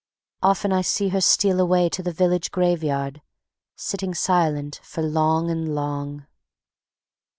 Often I see her steal away to the village graveyard, sitting silent for long and long.